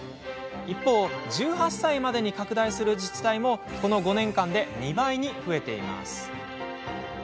一方、１８歳までに拡大する自治体もこの５年間で２倍に増えています。